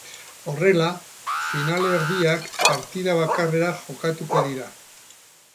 Horrela, finalerdiak partida bakarrera jokatuko dira.